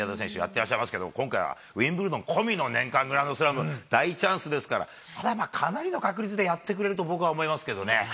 てらっしゃますけれども、今回はウィンブルドン込みの年間グランドスラム、大チャンスですから、かなりの確率でやってくれると僕は思いますけどね。